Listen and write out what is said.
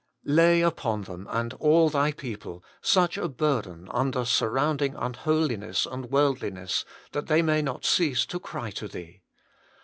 279 Lay upon them, and all Thy people, such a burden under surrounding unholiness and worldliness, that they may not cease to cry to Thee.